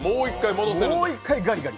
もう一回ガリガリ。